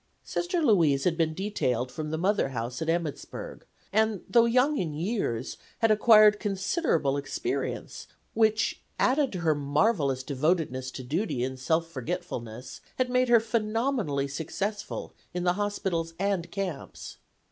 Sister Louise had been detailed from the Mother House at Emmitsburg, and, though young in years, had acquired considerable experience, which added to her marvelous devotedness to duty and self forgetfulness had made her phenomenally successful in the hospitals and camps.